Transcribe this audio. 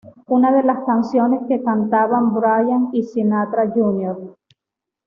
Una de las canciones que cantaban Brian y Sinatra Jr.